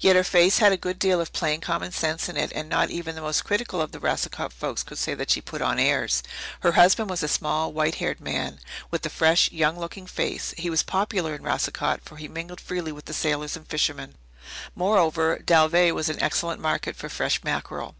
Yet her face had a good deal of plain common sense in it, and not even the most critical of the Racicot folks could say that she "put on airs." Her husband was a small, white haired man, with a fresh, young looking face. He was popular in Racicot, for he mingled freely with the sailors and fishermen. Moreover, Dalveigh was an excellent market for fresh mackerel.